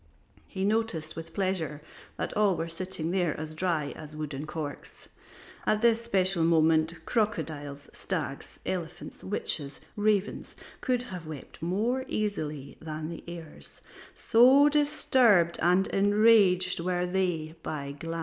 He noticed with pleasure that all were sitting there as dry as wooden corks; at this special moment crocodiles, stags, elephants, witches, ravens could have wept more easily than the heirs, so disturbed and enraged were they by Glanz.